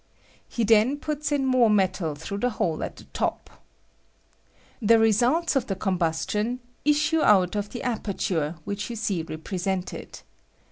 He then puts in more metal through a hole at the top. The I reaults of the combuation issue out of the aper ture which you see represented.